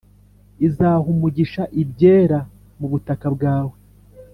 Izaha umugisha ibyera mu butaka bwawe,